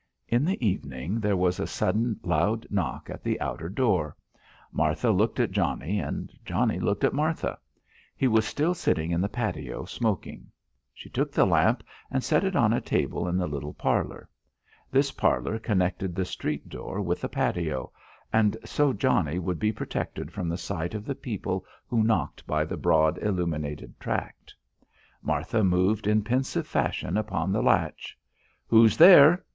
In the evening there was a sudden loud knock at the outer door. Martha looked at Johnnie and Johnnie looked at Martha. He was still sitting in the patio, smoking. She took the lamp and set it on a table in the little parlour. This parlour connected the street door with the patio, and so Johnnie would be protected from the sight of the people who knocked by the broad illuminated tract. Martha moved in pensive fashion upon the latch. "Who's there?"